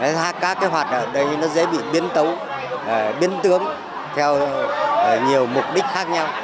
các cái hoạt động đấy nó dễ bị biến tấu biến tướng theo nhiều mục đích khác nhau